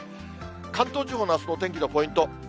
関東地方のあすのお天気のポイント。